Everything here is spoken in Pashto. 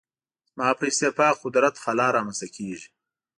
زما په استعفا قدرت خلا رامنځته کېږي.